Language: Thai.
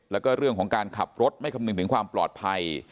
แล้วก็เรื่องของการขับรถไม่คำนึงถึงความปลอดภัย